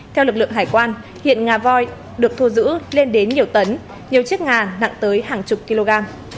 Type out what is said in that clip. theo lực lượng hải quan hiện ngà voi được thu giữ lên đến nhiều tấn nhiều chiếc ngà nặng tới hàng chục kg